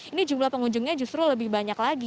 ini jumlah pengunjungnya justru lebih banyak lagi